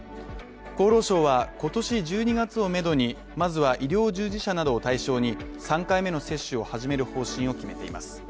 厚労省は今年１２月を目処に、まずは医療従事者などを対象に３回目の接種を始める方針を決めています。